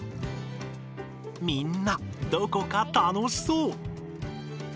みんなどこか楽しそう。